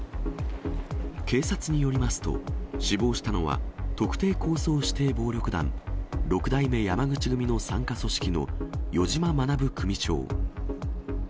警察によりますと、死亡したのは、特定抗争指定暴力団、六代目山口組の傘下組織の余嶋学組長。